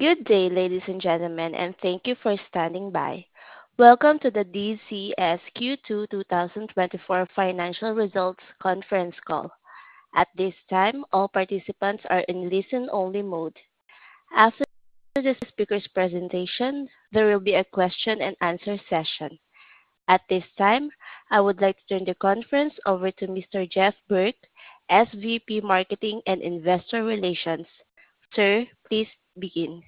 Good day, ladies and gentlemen, and thank you for standing by. Welcome to the DZS Q2 2024 Financial Results conference call. At this time, all participants are in listen-only mode. After the speaker's presentation, there will be a question-and-answer session. At this time, I would like to turn the conference over to Mr. Geoff Burke, SVP, Marketing and Investor Relations. Sir, please begin.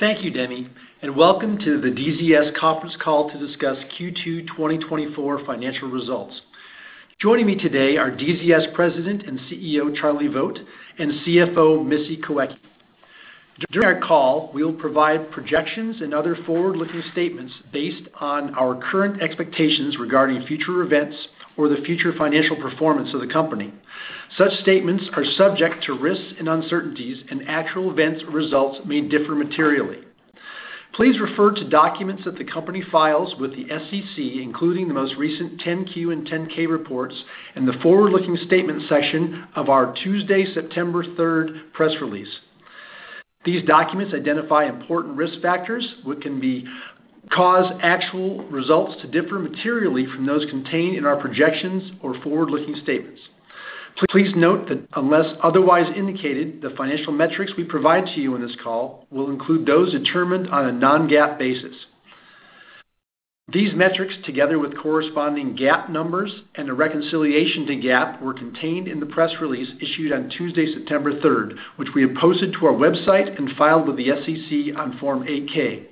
Thank you, Demi, and welcome to the DZS conference call to discuss Q2 2024 financial results. Joining me today are DZS President and CEO, Charlie Vogt, and CFO, Misty Kawecki. During our call, we will provide projections and other forward-looking statements based on our current expectations regarding future events or the future financial performance of the company. Such statements are subject to risks and uncertainties, and actual events or results may differ materially. Please refer to documents that the company files with the SEC, including the most recent 10-Q and 10-K reports, and the forward-looking statement section of our Tuesday, September third, press release. These documents identify important risk factors which can cause actual results to differ materially from those contained in our projections or forward-looking statements. Please note that unless otherwise indicated, the financial metrics we provide to you in this call will include those determined on a non-GAAP basis. These metrics, together with corresponding GAAP numbers and a reconciliation to GAAP, were contained in the press release issued on Tuesday, September third, which we have posted to our website and filed with the SEC on Form 8-K.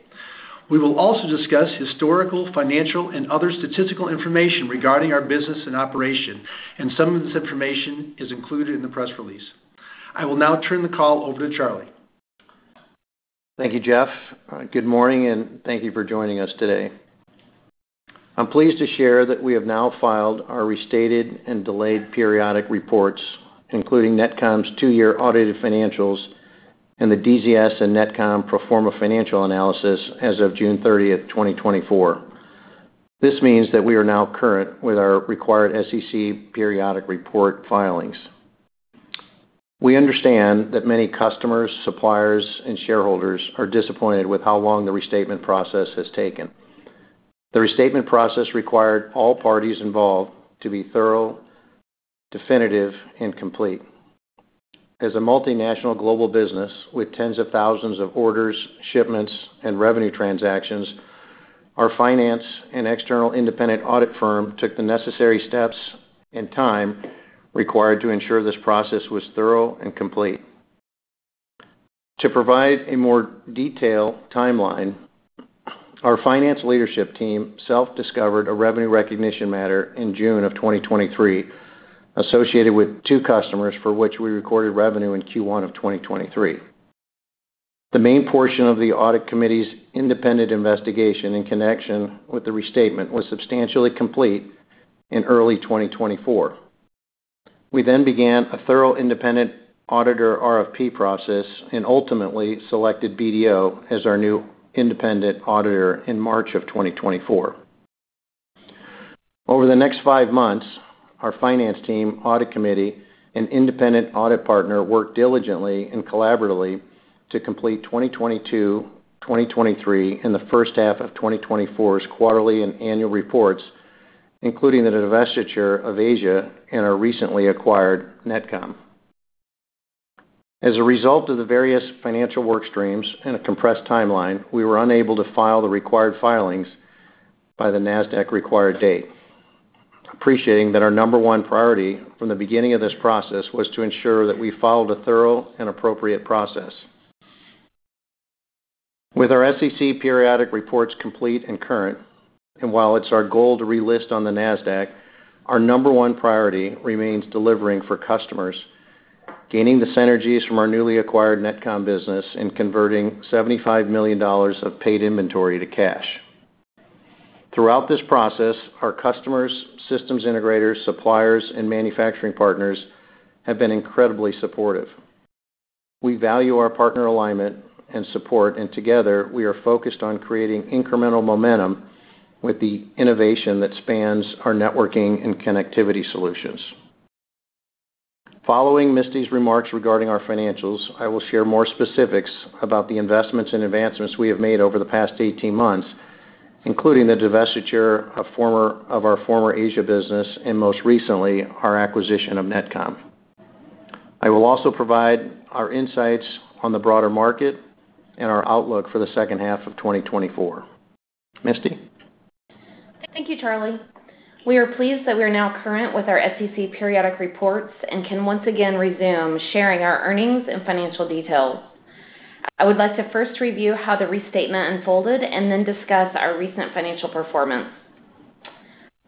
We will also discuss historical, financial, and other statistical information regarding our business and operation, and some of this information is included in the press release. I will now turn the call over to Charlie. Thank you, Geoff. Good morning, and thank you for joining us today. I'm pleased to share that we have now filed our restated and delayed periodic reports, including NetComm's two-year audited financials and the DZS and NetComm pro forma financial analysis as of June thirtieth, 2024. This means that we are now current with our required SEC periodic report filings. We understand that many customers, suppliers, and shareholders are disappointed with how long the restatement process has taken. The restatement process required all parties involved to be thorough, definitive, and complete. As a multinational global business with tens of thousands of orders, shipments, and revenue transactions, our finance and external independent audit firm took the necessary steps and time required to ensure this process was thorough and complete. To provide a more detailed timeline, our finance leadership team self-discovered a revenue recognition matter in June of 2023, associated with two customers for which we recorded revenue in Q1 of 2023. The main portion of the audit committee's independent investigation in connection with the restatement was substantially complete in early 2024. We then began a thorough independent auditor RFP process and ultimately selected BDO as our new independent auditor in March of 2024. Over the next five months, our finance team, audit committee, and independent audit partner worked diligently and collaboratively to complete 2022, 2023, and the first half of 2024's quarterly and annual reports, including the divestiture of Asia and our recently acquired NetComm. As a result of the various financial work streams and a compressed timeline, we were unable to file the required filings by the Nasdaq required date. Appreciating that our number one priority from the beginning of this process was to ensure that we followed a thorough and appropriate process. With our SEC periodic reports complete and current, and while it's our goal to relist on the Nasdaq, our number one priority remains delivering for customers, gaining the synergies from our newly acquired NetComm business, and converting $75 million of paid inventory to cash. Throughout this process, our customers, systems integrators, suppliers, and manufacturing partners have been incredibly supportive. We value our partner alignment and support, and together, we are focused on creating incremental momentum with the innovation that spans our networking and connectivity solutions. Following Misty's remarks regarding our financials, I will share more specifics about the investments and advancements we have made over the past eighteen months, including the divestiture of our former Asia business and, most recently, our acquisition of NetComm. I will also provide our insights on the broader market and our outlook for the second half of 2024. Misty? Thank you, Charlie. We are pleased that we are now current with our SEC periodic reports and can once again resume sharing our earnings and financial details. I would like to first review how the restatement unfolded and then discuss our recent financial performance.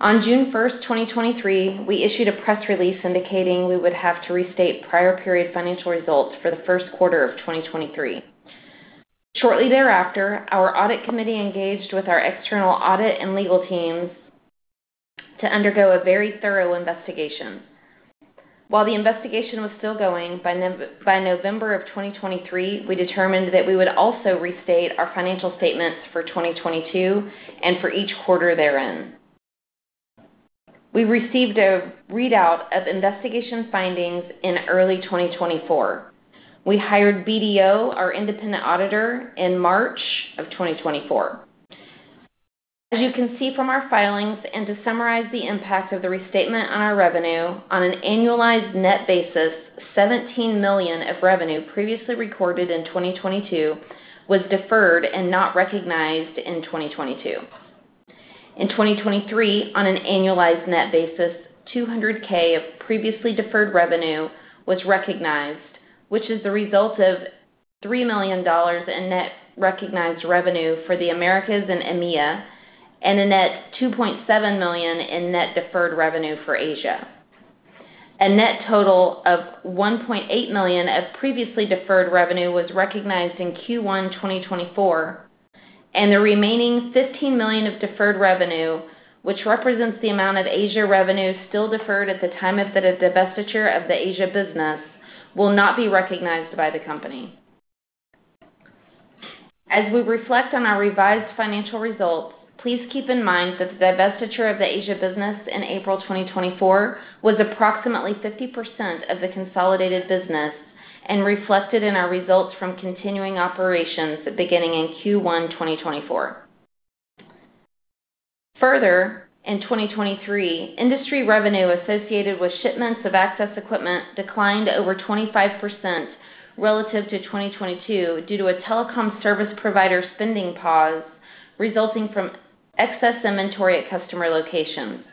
On June first, 2023, we issued a press release indicating we would have to restate prior period financial results for the first quarter of 2023. Shortly thereafter, our audit committee engaged with our external audit and legal teams to undergo a very thorough investigation. While the investigation was still going, by November of 2023, we determined that we would also restate our financial statements for 2022 and for each quarter therein. We received a readout of investigation findings in early 2024. We hired BDO, our independent auditor, in March of 2024. As you can see from our filings, and to summarize the impact of the restatement on our revenue, on an annualized net basis, $17 million of revenue previously recorded in 2022 was deferred and not recognized in 2022. In 2023, on an annualized net basis, $200K of previously deferred revenue was recognized, which is the result of $3 million in net recognized revenue for the Americas and EMEA, and a net $2.7 million in net deferred revenue for Asia. A net total of $1.8 million of previously deferred revenue was recognized in Q1 2024, and the remaining $15 million of deferred revenue, which represents the amount of Asia revenue still deferred at the time of the divestiture of the Asia business, will not be recognized by the company. As we reflect on our revised financial results, please keep in mind that the divestiture of the Asia business in April 2024 was approximately 50% of the consolidated business and reflected in our results from continuing operations beginning in Q1 2024. Further, in 2023, industry revenue associated with shipments of access equipment declined over 25% relative to 2022 due to a telecom service provider spending pause, resulting from excess inventory at customer locations.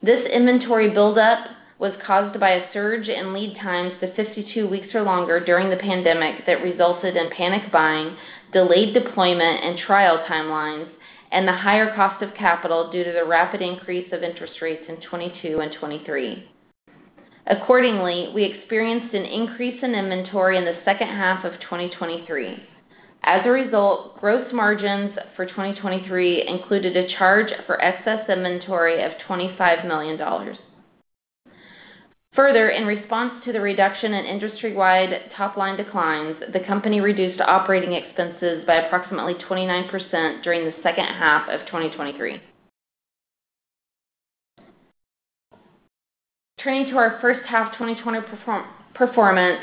This inventory buildup was caused by a surge in lead times to 52 weeks or longer during the pandemic that resulted in panic buying, delayed deployment and trial timelines, and the higher cost of capital due to the rapid increase of interest rates in 2022 and 2023. Accordingly, we experienced an increase in inventory in the second half of 2023. As a result, gross margins for 2023 included a charge for excess inventory of $25 million. Further, in response to the reduction in industry-wide top-line declines, the company reduced operating expenses by approximately 29% during the second half of 2023. Turning to our first half 2024 performance.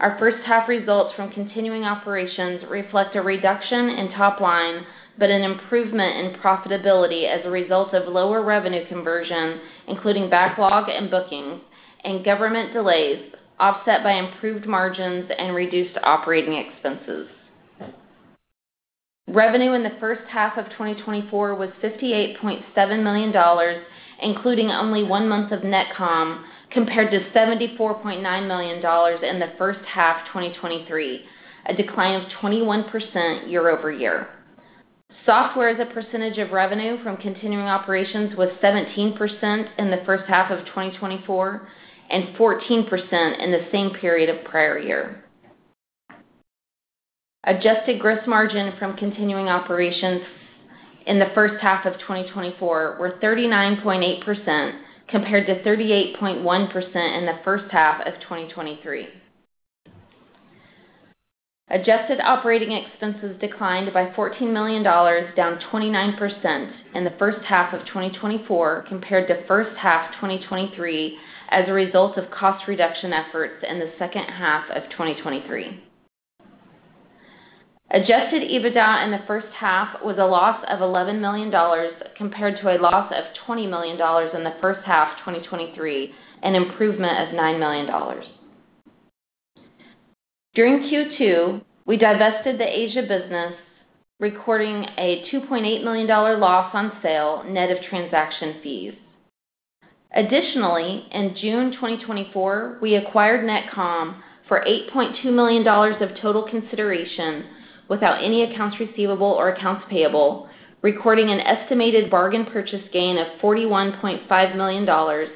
Our first half results from continuing operations reflect a reduction in top line, but an improvement in profitability as a result of lower revenue conversion, including backlog and bookings and government delays, offset by improved margins and reduced operating expenses. Revenue in the first half of 2024 was $58.7 million, including only one month of NetComm, compared to $74.9 million in the first half of 2023, a decline of 21% year-over-year. Software as a percentage of revenue from continuing operations was 17% in the first half of 2024, and 14% in the same period of prior year. Adjusted gross margin from continuing operations in the first half of 2024 were 39.8%, compared to 38.1% in the first half of 2023. Adjusted operating expenses declined by $14 million, down 29% in the first half of 2024, compared to first half 2023, as a result of cost reduction efforts in the second half of 2023. Adjusted EBITDA in the first half was a loss of $11 million, compared to a loss of $20 million in the first half of 2023, an improvement of $9 million. During Q2, we divested the Asia business, recording a $2.8 million loss on sale, net of transaction fees. Additionally, in June 2024, we acquired NetComm for $8.2 million of total consideration without any accounts receivable or accounts payable, recording an estimated bargain purchase gain of $41.5 million,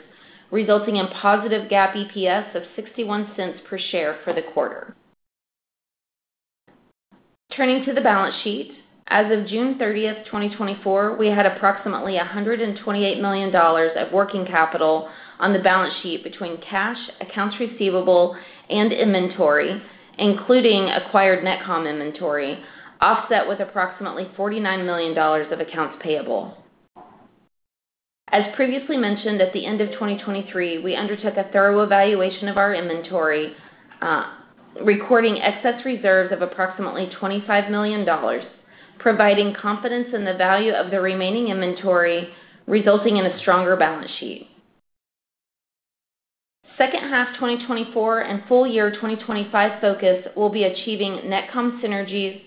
resulting in positive GAAP EPS of $0.61 per share for the quarter. Turning to the balance sheet. As of June 30, 2024, we had approximately $128 million of working capital on the balance sheet between cash, accounts receivable, and inventory, including acquired NetComm inventory, offset with approximately $49 million of accounts payable. As previously mentioned, at the end of 2023, we undertook a thorough evaluation of our inventory, recording excess reserves of approximately $25 million, providing confidence in the value of the remaining inventory, resulting in a stronger balance sheet. Second half 2024 and full year 2025 focus will be achieving NetComm synergies,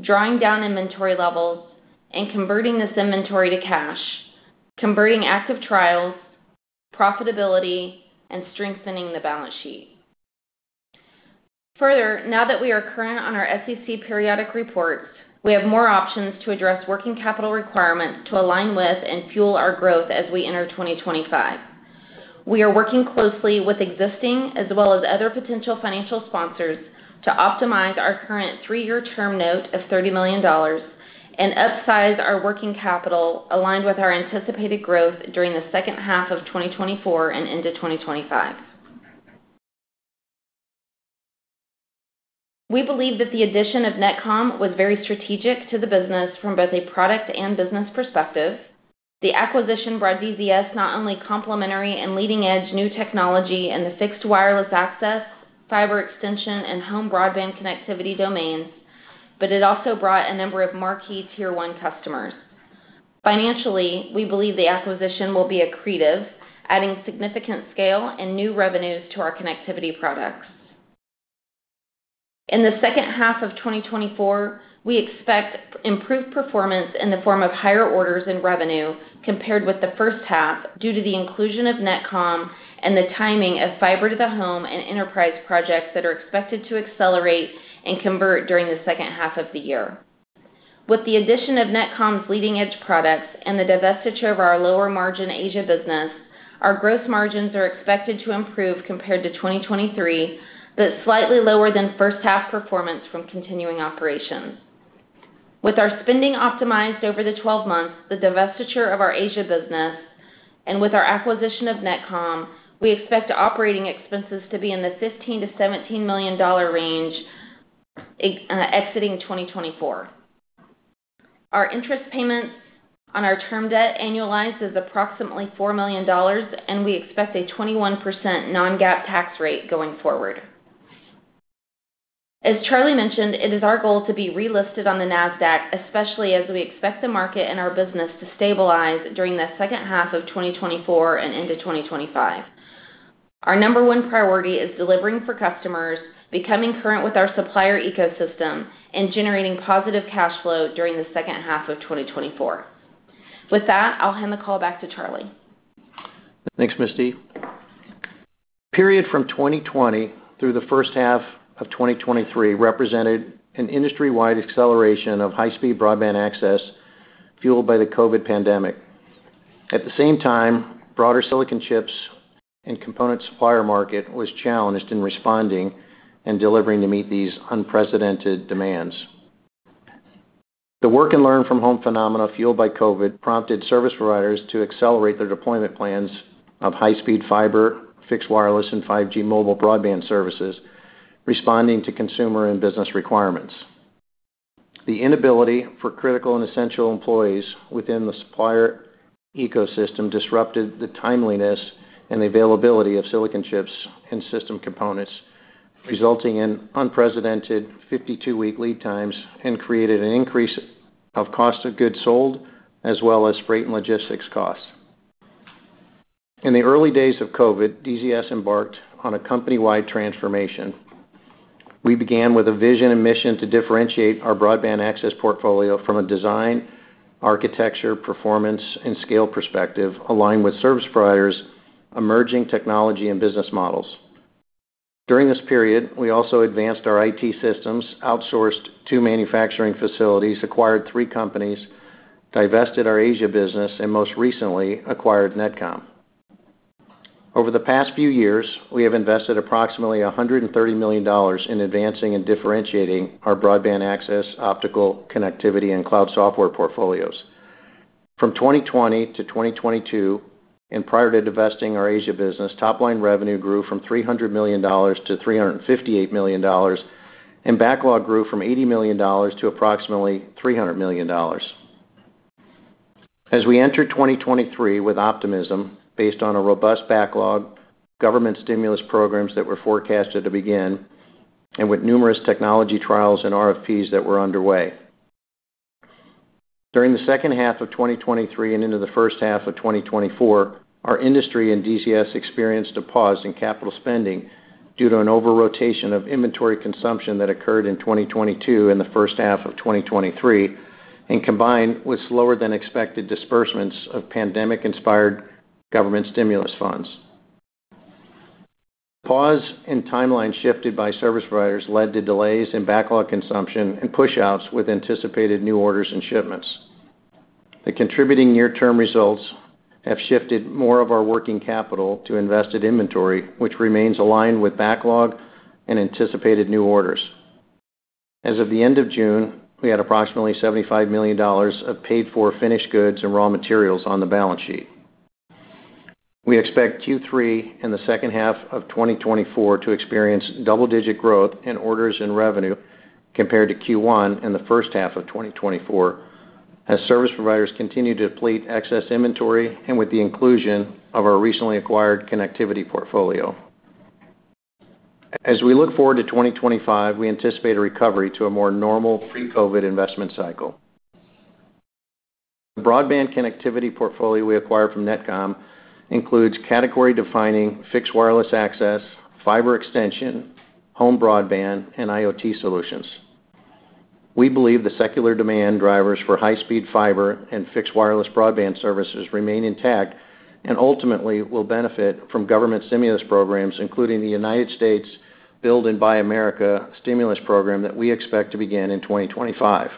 drawing down inventory levels, and converting this inventory to cash, converting active trials, profitability, and strengthening the balance sheet. Further, now that we are current on our SEC periodic reports, we have more options to address working capital requirements to align with and fuel our growth as we enter 2025. We are working closely with existing as well as other potential financial sponsors to optimize our current three-year term note of $30 million and upsize our working capital aligned with our anticipated growth during the second half of 2024 and into 2025. We believe that the addition of NetComm was very strategic to the business from both a product and business perspective. The acquisition brought DZS not only complementary and leading-edge new technology in the fixed wireless access, fiber extension, and home broadband connectivity domains, but it also brought a number of marquee Tier 1 customers. Financially, we believe the acquisition will be accretive, adding significant scale and new revenues to our connectivity products. In the second half of 2024, we expect improved performance in the form of higher orders and revenue compared with the first half, due to the inclusion of NetComm and the timing of fiber to the home and enterprise projects that are expected to accelerate and convert during the second half of the year. With the addition of NetComm's leading-edge products and the divestiture of our lower-margin Asia business, our gross margins are expected to improve compared to 2023, but slightly lower than first half performance from continuing operations. With our spending optimized over the 12 months, the divestiture of our Asia business, and with our acquisition of NetComm, we expect operating expenses to be in the $15 million-$17 million range, exiting 2024. Our interest payments on our term debt annualized is approximately $4 million, and we expect a 21% non-GAAP tax rate going forward. As Charlie mentioned, it is our goal to be relisted on the Nasdaq, especially as we expect the market and our business to stabilize during the second half of 2024 and into 2025. Our number one priority is delivering for customers, becoming current with our supplier ecosystem, and generating positive cash flow during the second half of 2024. With that, I'll hand the call back to Charlie. Thanks, Misty. The period from 2020 through the first half of 2023 represented an industry-wide acceleration of high-speed broadband access, fueled by the COVID pandemic. At the same time, broader silicon chips and component supplier market was challenged in responding and delivering to meet these unprecedented demands. The work and learn from home phenomena, fueled by COVID, prompted service providers to accelerate their deployment plans of high-speed fiber, fixed wireless, and 5G mobile broadband services, responding to consumer and business requirements. The inability for critical and essential employees within the supplier ecosystem disrupted the timeliness and availability of silicon chips and system components, resulting in unprecedented fifty-two-week lead times, and created an increase of cost of goods sold, as well as freight and logistics costs. In the early days of COVID, DZS embarked on a company-wide transformation. We began with a vision and mission to differentiate our broadband access portfolio from a design, architecture, performance, and scale perspective, aligned with service providers, emerging technology, and business models. During this period, we also advanced our IT systems, outsourced two manufacturing facilities, acquired three companies, divested our Asia business, and most recently, acquired NetComm. Over the past few years, we have invested approximately $130 million in advancing and differentiating our broadband access, optical connectivity, and Cloud Software portfolios. From 2020-2022, and prior to divesting our Asia business, top-line revenue grew from $300 million-$358 million, and backlog grew from $80 million to approximately $300 million. As we entered 2023 with optimism based on a robust backlog, government stimulus programs that were forecasted to begin, and with numerous technology trials and RFPs that were underway. During the second half of 2023 and into the first half of 2024, our industry and DZS experienced a pause in capital spending due to an over-rotation of inventory consumption that occurred in 2022 and the first half of 2023, and combined with slower-than-expected disbursements of pandemic-inspired government stimulus funds. Pause and timeline shifted by service providers led to delays in backlog consumption and pushouts with anticipated new orders and shipments. The contributing near-term results have shifted more of our working capital to invested inventory, which remains aligned with backlog and anticipated new orders. As of the end of June, we had approximately $75 million of paid-for finished goods and raw materials on the balance sheet. We expect Q3 and the second half of 2024 to experience double-digit growth in orders and revenue compared to Q1 and the first half of 2024, as service providers continue to deplete excess inventory and with the inclusion of our recently acquired connectivity portfolio. As we look forward to 2025, we anticipate a recovery to a more normal pre-COVID investment cycle. The broadband connectivity portfolio we acquired from NetComm includes category-defining fixed wireless access, fiber extension, home broadband, and IoT solutions. We believe the secular demand drivers for high-speed fiber and fixed wireless broadband services remain intact and ultimately will benefit from government stimulus programs, including the United States Build America, Buy America stimulus program that we expect to begin in 2025.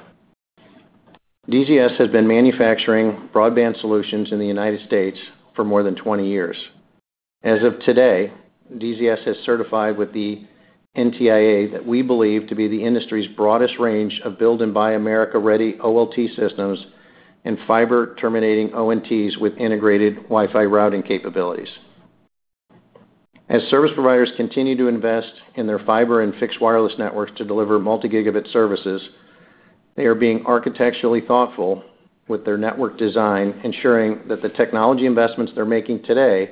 DZS has been manufacturing broadband solutions in the United States for more than 20 years. As of today, DZS has certified with the NTIA that we believe to be the industry's broadest range of Build America, Buy America-ready OLT systems and fiber-terminating ONTs with integrated Wi-Fi routing capabilities. As service providers continue to invest in their fiber and fixed wireless networks to deliver multi-gigabit services, they are being architecturally thoughtful with their network design, ensuring that the technology investments they're making today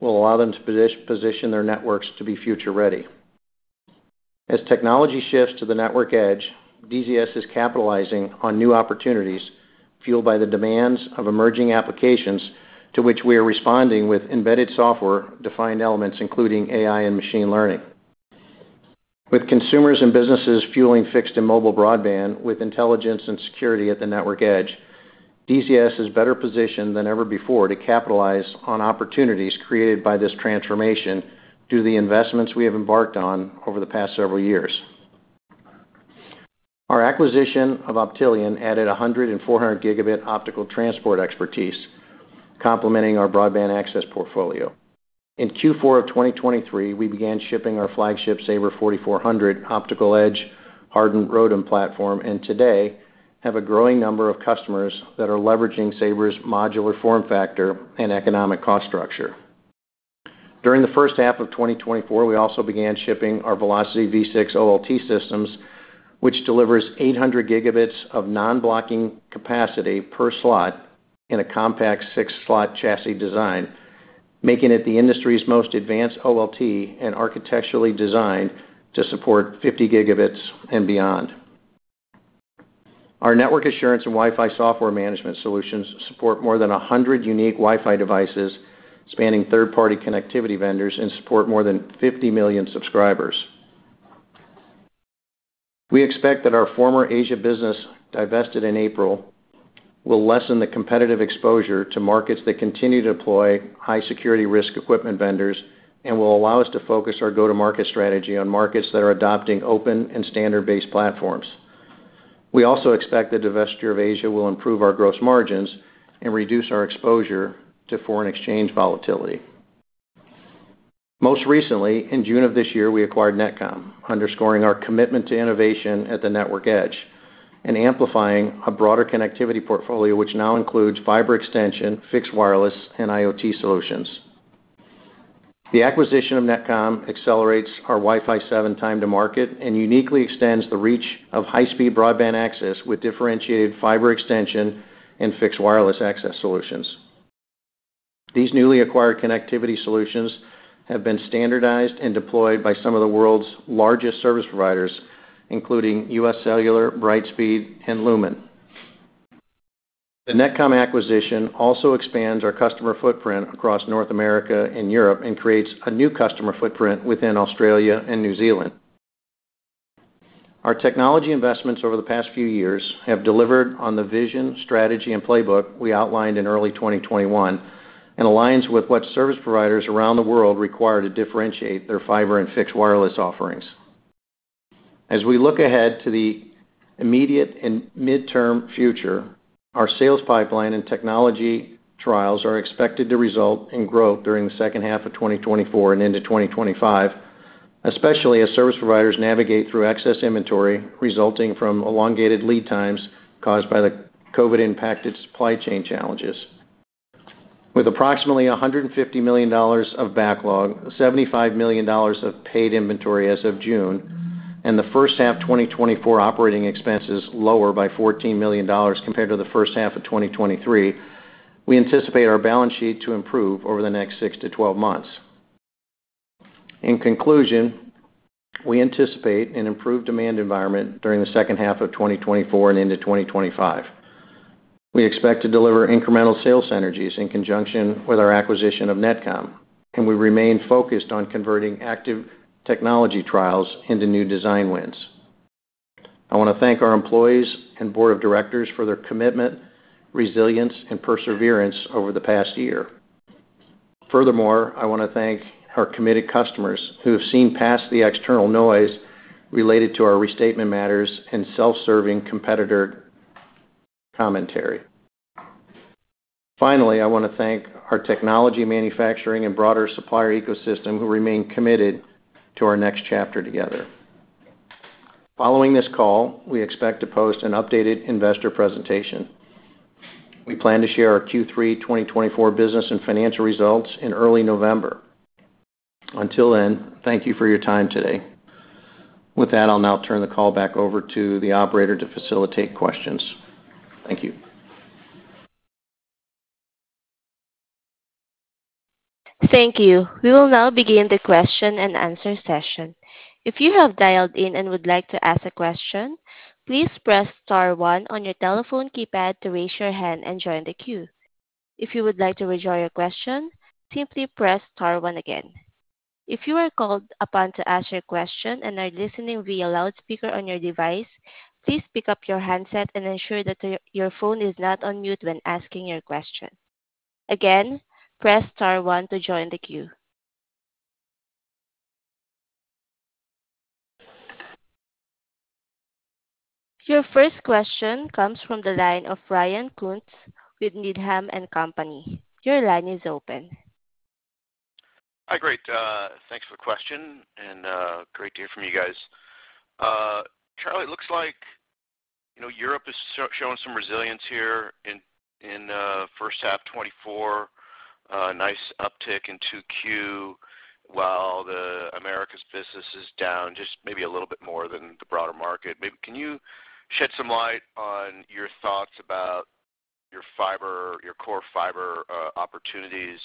will allow them to position their networks to be future-ready. As technology shifts to the network edge, DZS is capitalizing on new opportunities fueled by the demands of emerging applications, to which we are responding with embedded software-defined elements, including AI and machine learning. With consumers and businesses fueling fixed and mobile broadband with intelligence and security at the network edge, DZS is better positioned than ever before to capitalize on opportunities created by this transformation due to the investments we have embarked on over the past several years. Our acquisition of Optelian added 100- and 400-gigabit optical transport expertise, complementing our broadband access portfolio. In Q4 of 2023, we began shipping our flagship Saber 4400 optical edge hardened ROADM platform, and today have a growing number of customers that are leveraging Saber's modular form factor and economic cost structure. During the first half of 2024, we also began shipping our Velocity V6 OLT systems, which delivers 800 Gb of non-blocking capacity per slot in a compact 6-slot chassis design, making it the industry's most advanced OLT and architecturally designed to support 50 Gb and beyond. Our network assurance and Wi-Fi software management solutions support more than 100 unique Wi-Fi devices, spanning third-party connectivity vendors, and support more than 50 million subscribers. We expect that our former Asia business, divested in April, will lessen the competitive exposure to markets that continue to deploy high-security risk equipment vendors and will allow us to focus our go-to-market strategy on markets that are adopting open and standards-based platforms. We also expect the divestiture of Asia will improve our gross margins and reduce our exposure to foreign exchange volatility. Most recently, in June of this year, we acquired NetComm, underscoring our commitment to innovation at the network edge and amplifying a broader connectivity portfolio, which now includes fiber extension, fixed wireless, and IoT solutions. The acquisition of NetComm accelerates our Wi-Fi 7 time to market and uniquely extends the reach of high-speed broadband access with differentiated fiber extension and fixed wireless access solutions. These newly acquired connectivity solutions have been standardized and deployed by some of the world's largest service providers, including UScellular, Brightspeed, and Lumen. The NetComm acquisition also expands our customer footprint across North America and Europe and creates a new customer footprint within Australia and New Zealand. Our technology investments over the past few years have delivered on the vision, strategy, and playbook we outlined in early 2021 and aligns with what service providers around the world require to differentiate their fiber and fixed wireless offerings. As we look ahead to the immediate and midterm future, our sales pipeline and technology trials are expected to result in growth during the second half of 2024 and into 2025, especially as service providers navigate through excess inventory resulting from elongated lead times caused by the COVID-impacted supply chain challenges. With approximately $150 million of backlog, $75 million of paid inventory as of June, and the first half 2024 operating expenses lower by $14 million compared to the first half of 2023, we anticipate our balance sheet to improve over the next 6-12 months. In conclusion, we anticipate an improved demand environment during the second half of 2024 and into 2025. We expect to deliver incremental sales synergies in conjunction with our acquisition of NetComm, and we remain focused on converting active technology trials into new design wins. I want to thank our employees and board of directors for their commitment, resilience, and perseverance over the past year. Furthermore, I want to thank our committed customers who have seen past the external noise related to our restatement matters and self-serving competitor commentary. Finally, I want to thank our technology, manufacturing, and broader supplier ecosystem who remain committed to our next chapter together. Following this call, we expect to post an updated investor presentation. We plan to share our Q3 2024 business and financial results in early November. Until then, thank you for your time today. With that, I'll now turn the call back over to the operator to facilitate questions. Thank you. Thank you. We will now begin the question-and-answer session. If you have dialed in and would like to ask a question, please press star one on your telephone keypad to raise your hand and join the queue. If you would like to withdraw your question, simply press star one again. If you are called upon to ask your question and are listening via loudspeaker on your device, please pick up your handset and ensure that your phone is not on mute when asking your question. Again, press star one to join the queue. Your first question comes from the line of Ryan Koontz with Needham & Company. Your line is open. Hi, great. Thanks for the question, and great to hear from you guys. Charlie, you know, Europe is showing some resilience here in first half 2024, nice uptick in 2Q, while the Americas business is down just maybe a little bit more than the broader market. Maybe can you shed some light on your thoughts about your fiber, your core fiber, opportunities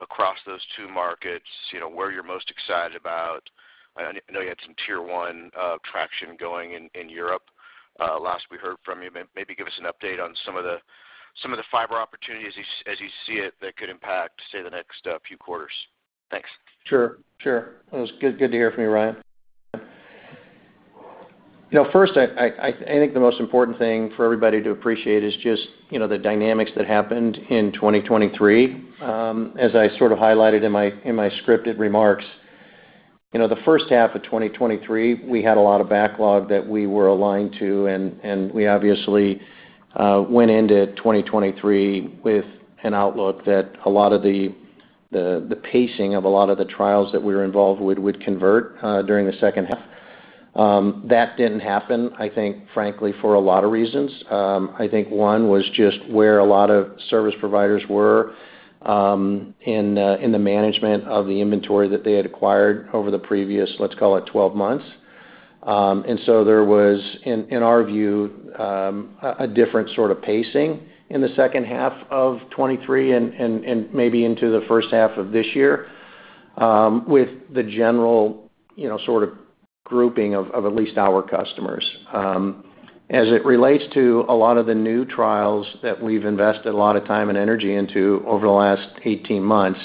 across those two markets? You know, where you're most excited about. I know you had some Tier 1 traction going in Europe, last we heard from you. Maybe give us an update on some of the, some of the fiber opportunities as you, as you see it, that could impact, say, the next few quarters. Thanks. Sure, sure. It was good, good to hear from you, Ryan. You know, first, I think the most important thing for everybody to appreciate is just, you know, the dynamics that happened in 2023. As I sort of highlighted in my scripted remarks, you know, the first half of 2023, we had a lot of backlog that we were aligned to, and we obviously went into 2023 with an outlook that a lot of the pacing of a lot of the trials that we were involved with would convert during the second half. That didn't happen, I think, frankly, for a lot of reasons. I think one was just where a lot of service providers were in the management of the inventory that they had acquired over the previous, let's call it, 12 months. And so there was, in our view, a different sort of pacing in the second half of 2023 and maybe into the first half of this year, with the general, you know, sort of grouping of at least our customers. As it relates to a lot of the new trials that we've invested a lot of time and energy into over the last eighteen months,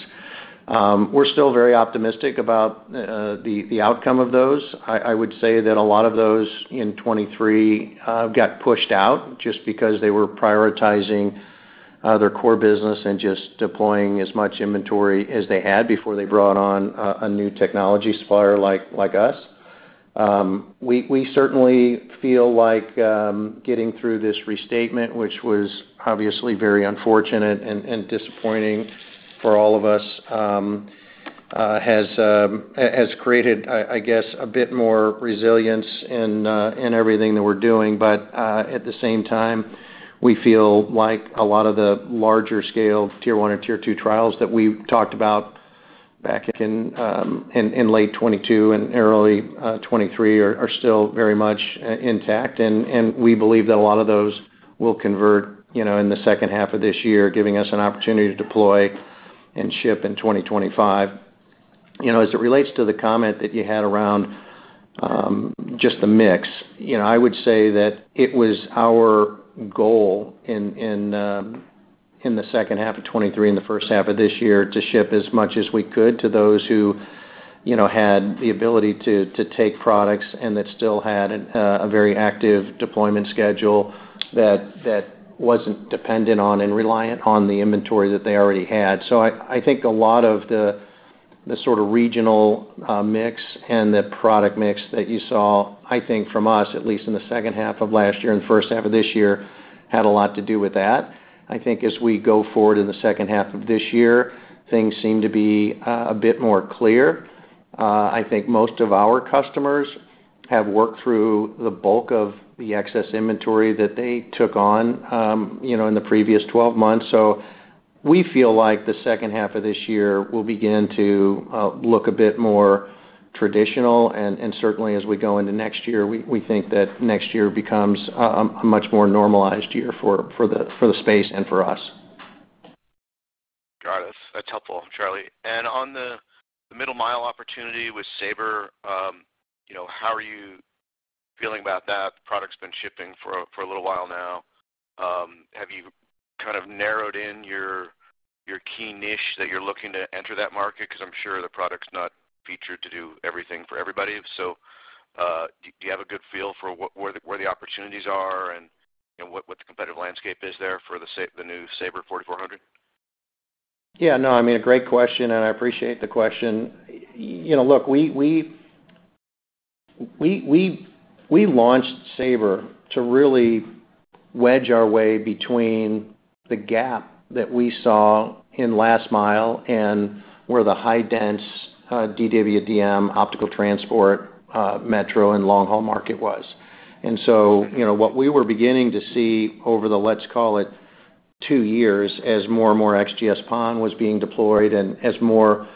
we're still very optimistic about the outcome of those. I would say that a lot of those in 2023 got pushed out just because they were prioritizing their core business and just deploying as much inventory as they had before they brought on a new technology supplier like us. We certainly feel like getting through this restatement, which was obviously very unfortunate and disappointing for all of us, has created, I guess, a bit more resilience in everything that we're doing. But at the same time, we feel like a lot of the larger scale Tier 1 or Tier 2 trials that we talked about back in late 2022 and early 2023 are still very much intact, and we believe that a lot of those will convert, you know, in the second half of this year, giving us an opportunity to deploy and ship in 2025. You know, as it relates to the comment that you had around just the mix, you know, I would say that it was our goal in the second half of 2023, and the first half of this year, to ship as much as we could to those who, you know, had the ability to take products and that still had a very active deployment schedule that wasn't dependent on and reliant on the inventory that they already had. So I think a lot of the sort of regional mix and the product mix that you saw, I think from us, at least in the second half of last year and the first half of this year, had a lot to do with that. I think as we go forward in the second half of this year, things seem to be a bit more clear. I think most of our customers have worked through the bulk of the excess inventory that they took on, you know, in the previous 12 months. So we feel like the second half of this year will begin to look a bit more traditional, and certainly as we go into next year, we think that next year becomes a much more normalized year for the space and for us. Got it. That's helpful, Charlie. And on the middle mile opportunity with Saber, you know, how are you feeling about that? The product's been shipping for a little while now. Have you kind of narrowed in your key niche that you're looking to enter that market? Because I'm sure the product's not featured to do everything for everybody. So, do you have a good feel for where the opportunities are and what the competitive landscape is there for the new Saber 4400? Yeah, no, I mean, a great question, and I appreciate the question. You know, look, we launched Saber to really wedge our way between the gap that we saw in last mile and where the high-density DWDM optical transport, metro and long-haul market was. And so, you know, what we were beginning to see over the, let's call it two years, as more and more XGS-PON was being deployed and as more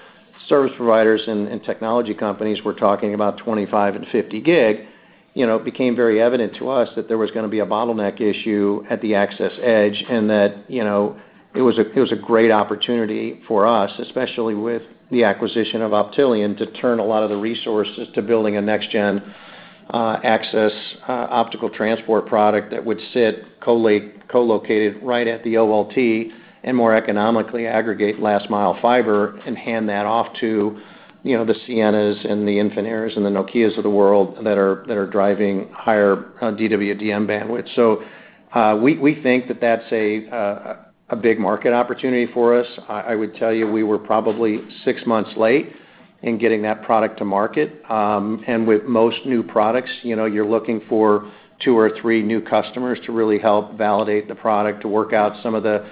service providers and technology companies were talking about 25 and 50 gig, you know, it became very evident to us that there was gonna be a bottleneck issue at the Access Edge, and that, you know, it was a great opportunity for us, especially with the acquisition of Optelian, to turn a lot of the resources to building a next gen access optical transport product that would sit collocated right at the OLT and more economically aggregate last mile fiber and hand that off to, you know, the Ciena and the Infinera and the Nokia of the world that are driving higher DWDM bandwidth. So, we think that that's a big market opportunity for us. I would tell you, we were probably six months late in getting that product to market. And with most new products, you know, you're looking for two or three new customers to really help validate the product, to work out some of the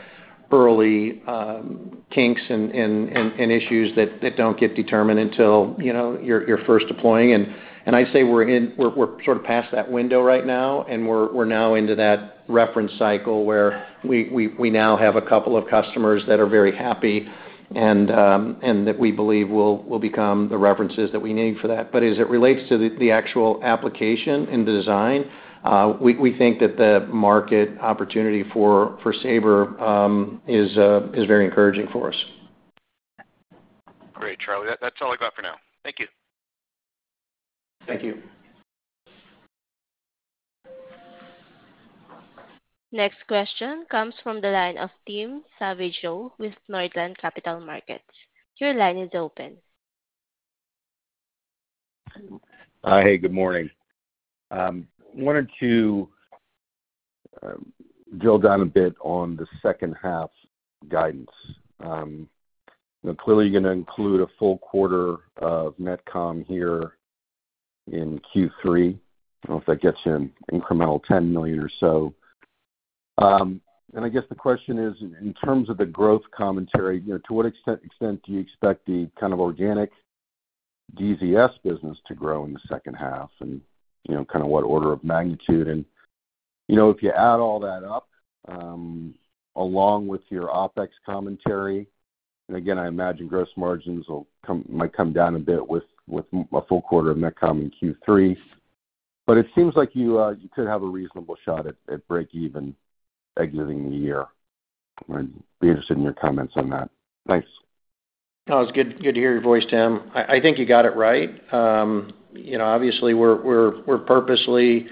early kinks and issues that don't get determined until, you know, you're first deploying. And I say we're sort of past that window right now, and we're now into that reference cycle where we now have a couple of customers that are very happy, and that we believe will become the references that we need for that. But as it relates to the actual application and the design, we think that the market opportunity for Saber is very encouraging for us. Great, Charlie. That's all I got for now. Thank you. Thank you. Next question comes from the line of Tim Savageaux with Northland Capital Markets. Your line is open. Hey, good morning. Wanted to drill down a bit on the second half guidance. Clearly, you're gonna include a full quarter of NetComm here in Q3. I don't know if that gets you an incremental $10 million or so. And I guess the question is, in terms of the growth commentary, you know, to what extent do you expect the kind of organic DZS business to grow in the second half? And, you know, kind of what order of magnitude. And, you know, if you add all that up, along with your OpEx commentary, and again, I imagine gross margins might come down a bit with a full quarter of NetComm in Q3. But it seems like you could have a reasonable shot at breakeven exiting the year. I'd be interested in your comments on that. Thanks. Oh, it's good, good to hear your voice, Tim. I think you got it right. You know, obviously, we're purposely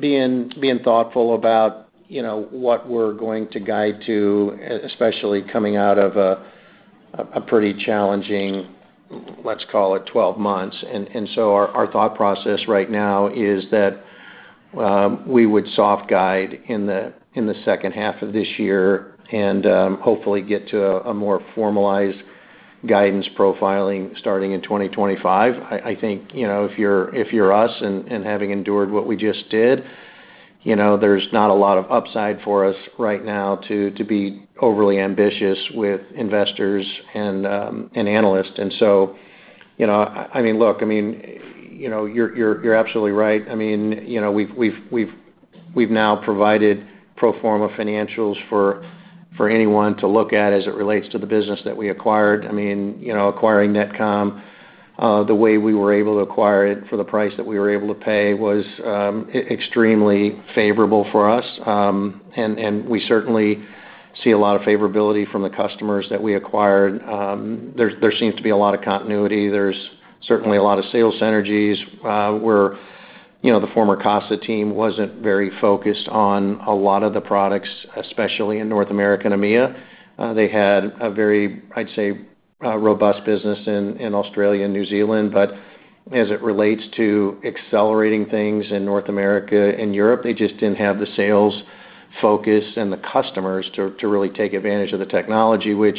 being thoughtful about, you know, what we're going to guide to, especially coming out of a pretty challenging, let's call it, 12 months. And so our thought process right now is that we would soft guide in the second half of this year and hopefully get to a more formalized guidance profiling starting in 2025. I think, you know, if you're us and having endured what we just did, you know, there's not a lot of upside for us right now to be overly ambitious with investors and analysts. And so, you know, I mean, look, I mean, you know, you're absolutely right. I mean, you know, we've now provided pro forma financials for anyone to look at as it relates to the business that we acquired. I mean, you know, acquiring NetComm, the way we were able to acquire it for the price that we were able to pay was extremely favorable for us. And we certainly see a lot of favorability from the customers that we acquired. There seems to be a lot of continuity. There's certainly a lot of sales synergies. We're, you know, the former Casa team wasn't very focused on a lot of the products, especially in North America and EMEA. They had a very, I'd say, robust business in Australia and New Zealand. But as it relates to accelerating things in North America and Europe, they just didn't have the sales focus and the customers to really take advantage of the technology, which,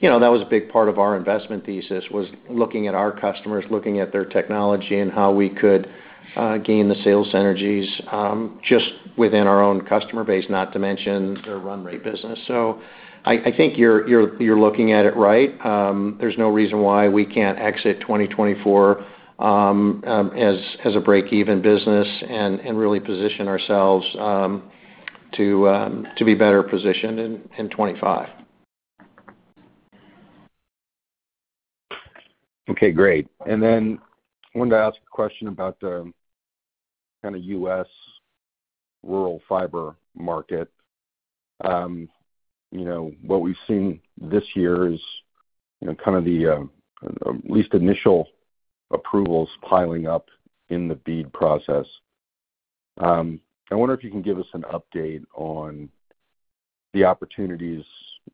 you know, that was a big part of our investment thesis, was looking at our customers, looking at their technology, and how we could gain the sales synergies just within our own customer base, not to mention their run rate business. So I think you're looking at it right. There's no reason why we can't exit 2024 as a break-even business and really position ourselves to be better positioned in 2025. Okay, great. And then I wanted to ask a question about the kind of U.S. rural fiber market. You know, what we've seen this year is, you know, kind of the, at least initial approvals piling up in the BEAD process. I wonder if you can give us an update on the opportunities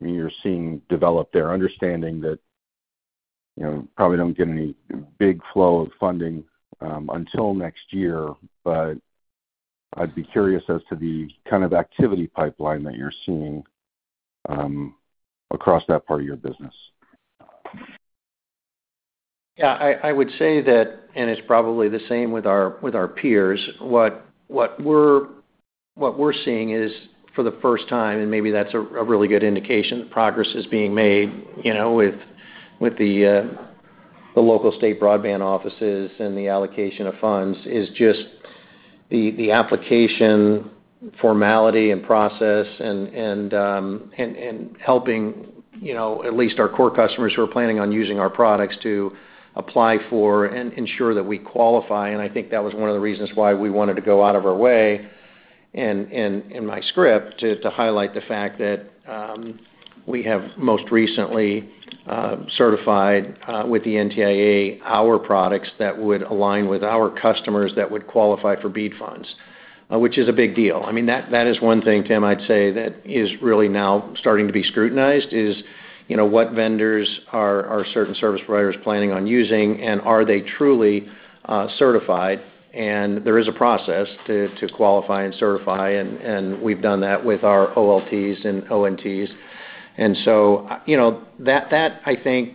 you're seeing develop there, understanding that, you know, probably don't get any big flow of funding, until next year. But I'd be curious as to the kind of activity pipeline that you're seeing, across that part of your business. Yeah, I would say that, and it's probably the same with our peers, what we're seeing is, for the first time, and maybe that's a really good indication that progress is being made, you know, with the local state broadband offices and the allocation of funds, is just the application formality and process and helping, you know, at least our core customers who are planning on using our products to apply for and ensure that we qualify. And I think that was one of the reasons why we wanted to go out of our way in my script to highlight the fact that we have most recently certified with the NTIA our products that would align with our customers that would qualify for BEAD funds, which is a big deal. I mean, that is one thing, Tim, I'd say that is really now starting to be scrutinized is, you know, what vendors are certain service providers planning on using, and are they truly certified? And there is a process to qualify and certify, and we've done that with our OLTs and ONTs. And so, you know, that, I think,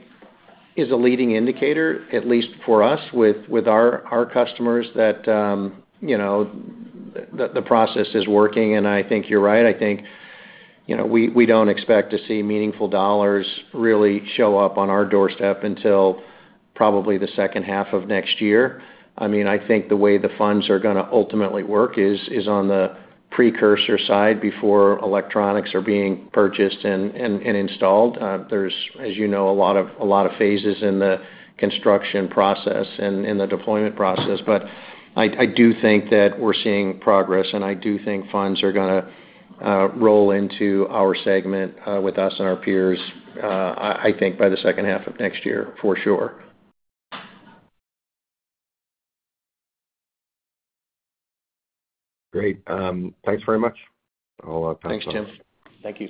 is a leading indicator, at least for us, with our customers, that, you know, the process is working. I think you're right. I think, you know, we don't expect to see meaningful dollars really show up on our doorstep until probably the second half of next year. I mean, I think the way the funds are gonna ultimately work is on the precursor side before electronics are being purchased and installed. As you know, there's a lot of phases in the construction process and in the deployment process. But I do think that we're seeing progress, and I do think funds are gonna roll into our segment with us and our peers. I think by the second half of next year, for sure. Great. Thanks very much. I'll pass on. Thanks, Tim. Thank you.